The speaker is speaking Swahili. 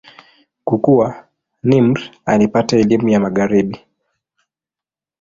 Kukua, Nimr alipata elimu ya Magharibi.